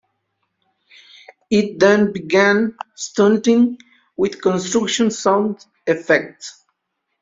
It then began stunting with construction sound effects.